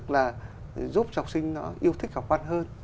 và giúp học sinh nó yêu thích học văn hơn